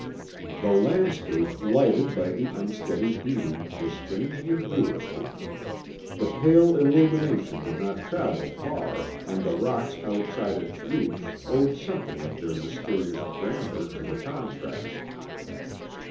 The landscape, lighted by the unsteady beam, was strangely beautiful. The pale illumination did not travel far and the rocks outside its reach owed something of their mysterious grandeur to the contrast.